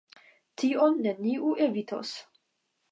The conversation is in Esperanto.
Tion neniu evitos.